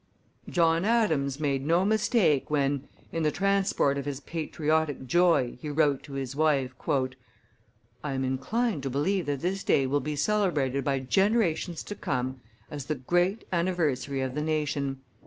John Adams made no mistake when, in the transport of his patriotic joy, he wrote to his wife: "I am inclined to believe that this day will be celebrated by generations to come as the great anniversary of the nation.